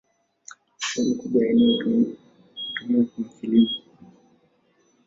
Sehemu kubwa ya eneo hutumiwa kwa kilimo.